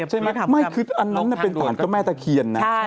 ใช่ไหมอันนั้นเป็นฐานก็ไม่เท่าเคียง